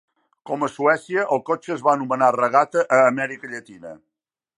Com a Suècia, el cotxe es va anomenar Regata a Amèrica Llatina.